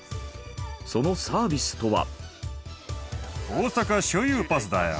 そのサービスとは。